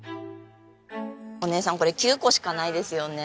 お姉さんこれ９個しかないですよね？